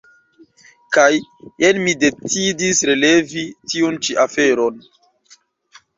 Kaj jen mi decidis relevi tiun ĉi aferon.